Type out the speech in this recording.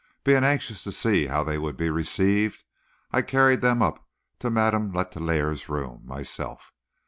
Being anxious to see how they would be received, I carried them up to Madame Letellier's room myself.